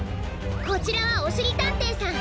こちらはおしりたんていさん。